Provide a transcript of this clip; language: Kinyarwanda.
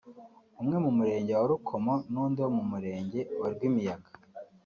umwe wo mu Murenge wa Rukomo n’undi wo mu Murenge wa Rwimiyaga